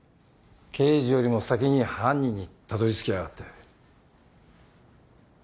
刑事よりも先に犯人にたどりつきやがって。